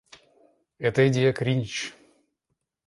Эта идея — кринж.